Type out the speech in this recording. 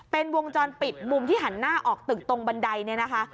เป็นวงจรปิดมุมที่หันหน้าออกตึกตรงบันไดเนี่ยนะคะ